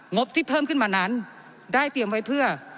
บที่เพิ่มขึ้นมานั้นได้เตรียมไว้เพื่อ